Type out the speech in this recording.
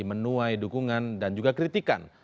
menuai dukungan dan juga kritikan